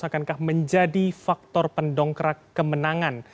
akankah menjadi faktor pendongkrak kemenangan